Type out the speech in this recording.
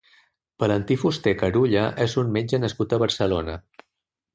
Valentí Fuster Carulla és un metge nascut a Barcelona.